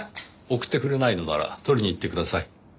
送ってくれないのなら取りに行ってください。